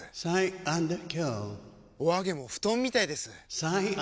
お揚げも布団みたいです！